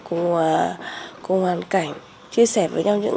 cùng hoàn cảnh chia sẻ với nhau những